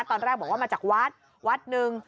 ตอนแรกบอกว่าวัลศร์หนึ่ง